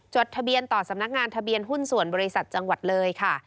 ทะเบียนต่อสำนักงานทะเบียนหุ้นส่วนบริษัทจังหวัดเลยค่ะ